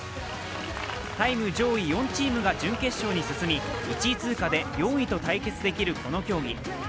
タイム上位が４チームが準決勝に進み、１位通過で４位と対決できるこの競技。